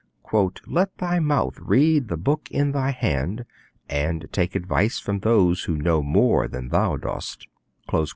'Let thy mouth read the book in thy hand, and take advice from those who know more than thou dost!'